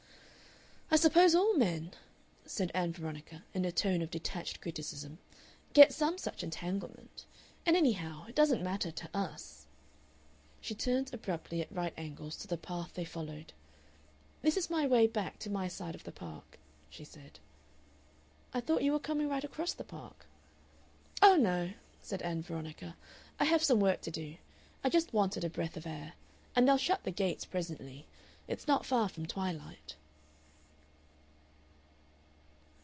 "I suppose all men," said Ann Veronica, in a tone of detached criticism, "get some such entanglement. And, anyhow, it doesn't matter to us." She turned abruptly at right angles to the path they followed. "This is my way back to my side of the Park," she said. "I thought you were coming right across the Park." "Oh no," said Ann Veronica; "I have some work to do. I just wanted a breath of air. And they'll shut the gates presently. It's not far from twilight."